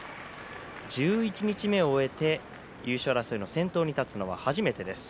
十一日目を終えて優勝争いの先頭に立つのは初めてです。